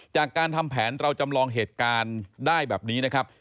จากการทำแผนเราจำลองเหตุการณ์ได้แบบนี้นะครับ